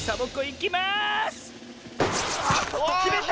きめた！